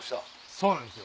そうなんですよ。